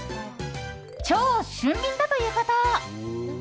超俊敏だということ。